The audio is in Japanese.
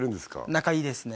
仲いいですね